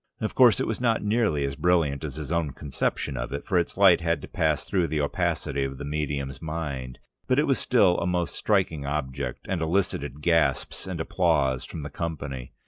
Of course it was not nearly as brilliant as his own conception of it, for its light had to pass through the opacity of the medium's mind, but it was still a most striking object, and elicited gasps of applause from the company.